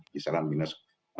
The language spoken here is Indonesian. kisaran minus tujuh puluh empat